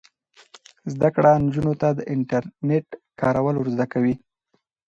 زده کړه نجونو ته د انټرنیټ کارول ور زده کوي.